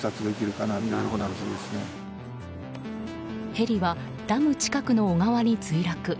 ヘリは、ダム近くの小川に墜落。